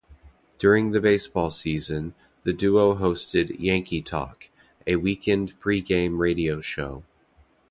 During the baseball season, the duo hosted "Yankee Talk," a weekend pre-game radio show.